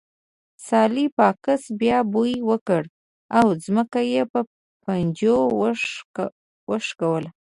سلای فاکس بیا بوی وکړ او ځمکه یې په پنجو وښکوله